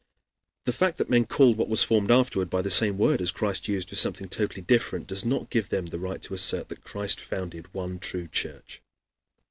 The fact that men called what was formed afterward by the same word as Christ used for something totally different, does not give them the right to assert that Christ founded the one, true Church.